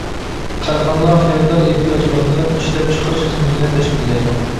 كارخانىلار خېرىدار ئېھتىياجىغا ئاساسەن ئىشلەپ چىقىرىش خىزمىتىنى تەشكىللەيدۇ.